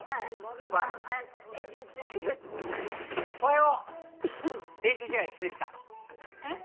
おはよう練習試合決めてきたえっ？